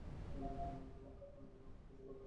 তোমাকে আটকানোর জন্য আমার কি কিছুই করার নেই?